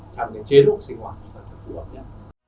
thành cái chế độ sinh hoạt sẽ rất là phù hợp nhé